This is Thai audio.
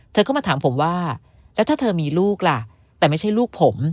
เธอก็มาถามผมว่าแล้วถ้าเธอมีลูกล่ะแต่ไม่ใช่ลูกผม